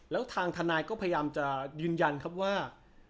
แล้วทางทนายก็พยายามจะยืนยันครับว่า